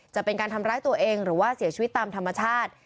จะเป็นการทำร้ายตัวเองหรือว่าเสียชีวิตตามธรรมชาติ